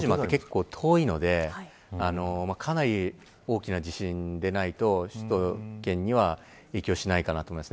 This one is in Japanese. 八丈島が結構遠いのでかなり大きな地震でないと首都圏には影響しないかなと思います。